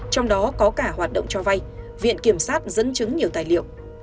trong đó có cả hoạt động cho vay viện kiểm sát dẫn chứng nhiều tài liệu